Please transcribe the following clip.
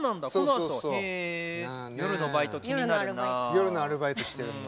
夜のアルバイトしてるの。